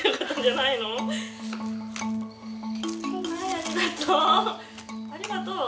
はいありがとう。